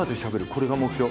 これが目標。